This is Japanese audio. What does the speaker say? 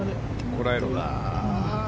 こらえろ。